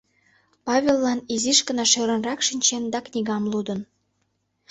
Павеллан изиш гына шӧрынрак шинчен да книгам лудын.